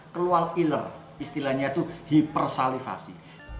keluar iler istilahnya itu hipersalivasi